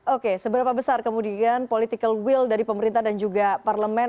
oke seberapa besar kemudian political will dari pemerintah dan juga parlemen